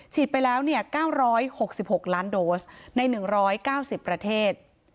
ไปแล้ว๙๖๖ล้านโดสใน๑๙๐ประเทศ